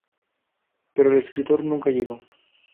Pero el escritor nunca llegó.